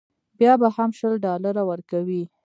بیا به هم شل ډالره ورکوې.